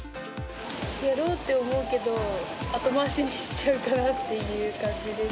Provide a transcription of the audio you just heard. やろうって思うけど、後回しにしちゃうかなっていう感じです。